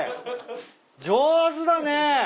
上手だね。